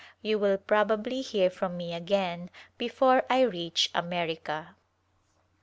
You will probably hear from me again before I reach America.